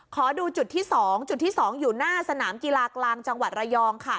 ขอดูจุดที่๒จุดที่๒อยู่หน้าสนามกีฬากลางจังหวัดระยองค่ะ